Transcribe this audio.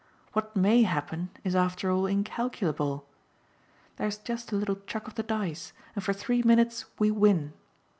What MAY happen is after all incalculable. There's just a little chuck of the dice, and for three minutes we win.